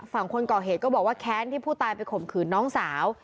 ฝั่งคนก่อเหตุก็บอกว่าแค้นที่ผู้ตายไปข่มขืนน้องสาว